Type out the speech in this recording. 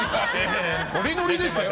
ノリノリでしたよ。